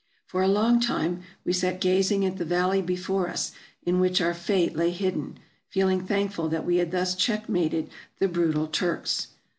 For a long time we sat gazing at the valley before us in which our fate lay hidden, feeling thankful that we had thus checkmated the brutal Turks.